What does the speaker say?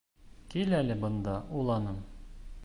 Кил әле бында, уланым.